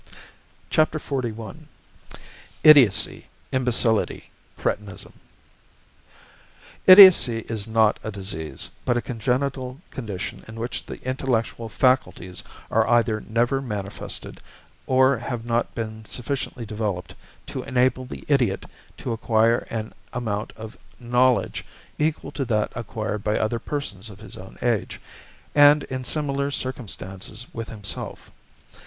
XLI. IDIOCY, IMBECILITY, CRETINISM =Idiocy= is not a disease, but a congenital condition in which the intellectual faculties are either never manifested or have not been sufficiently developed to enable the idiot to acquire an amount of knowledge equal to that acquired by other persons of his own age and in similar circumstances with himself.